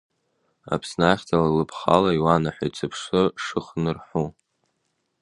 Аԥсны ахьӡала лыԥхала, иуанаҳәоит сыԥсы шыхнырҳәу.